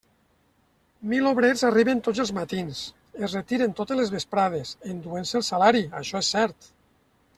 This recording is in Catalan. Mil obrers arriben tots els matins, es retiren totes les vesprades, enduent-se el salari, això és cert.